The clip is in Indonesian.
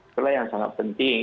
itulah yang sangat penting